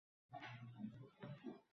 Qog‘ozga burkanyapmiz.